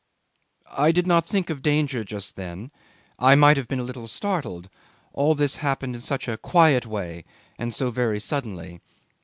'I did not think of danger just then. I might have been a little startled: all this happened in such a quiet way and so very suddenly.